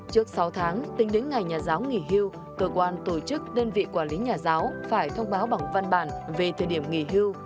trước sáu tháng tính đến ngày nhà giáo nghỉ hưu cơ quan tổ chức đơn vị quản lý nhà giáo phải thông báo bằng văn bản về thời điểm nghỉ hưu